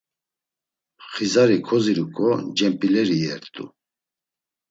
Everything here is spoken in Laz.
Xizari koziriǩo, cemp̌ileri iyert̆u.